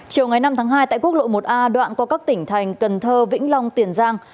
chiều ngày năm tháng hai tại quốc lộ một a đoạn qua các tỉnh thành cần thơ vĩnh long tiền giang